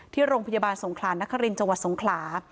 ที่โรงพยาบาลสงขลานคริญจวัศน์สงขลา